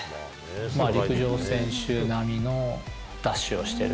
まあ陸上選手並みのダッシュをしてる。